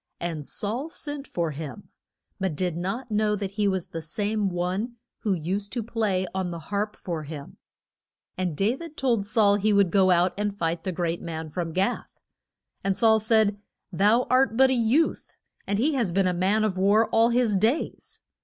And Saul sent for him, but did not know that he was the same one who used to play on the harp for him. And Da vid told Saul he would go out and fight the great man from Gath. And Saul said, Thou art but a youth, and he has been a man of war all his days.